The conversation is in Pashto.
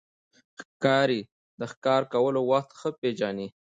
ښکاري د ښکار کولو وخت ښه پېژني.